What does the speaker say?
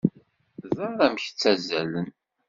Ẓer amek ttazzalen!